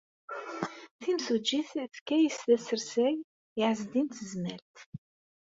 Timsujjit tefka-as-d asersay i Ɛezdin n Tezmalt.